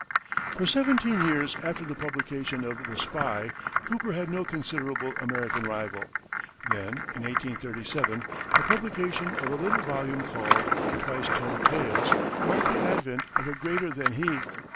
For seventeen years after the publication of "The Spy," Cooper had no considerable American rival. Then, in 1837, the publication of a little volume called "Twice Told Tales" marked the advent of a greater than he.